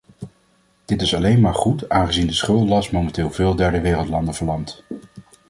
Dit is alleen maar goed, aangezien de schuldenlast momenteel veel derdewereldlanden verlamt.